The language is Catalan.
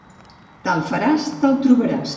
Tal faràs, tal trobaràs.